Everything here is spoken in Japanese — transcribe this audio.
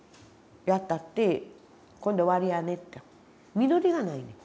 実りがないねん。